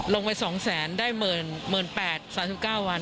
ลงไปสองแสนได้เมินเมินแปดสามสิบเก้าวัน